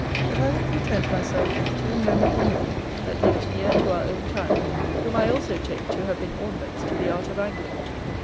But I will content myself with two memorable men, that lived near to our own time, whom I also take to have been ornaments to the art of Angling.